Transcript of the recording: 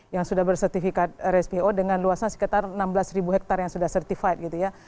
yang sudah bersertifikat rspo dengan luasnya sekitar enam belas ribu hektare yang sudah certified gitu ya